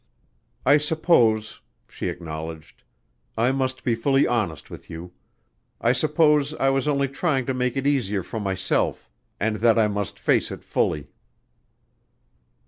"I suppose ..." she acknowledged, "I must be fully honest with you.... I suppose I was only trying to make it easier for myself ... and that I must face it fully."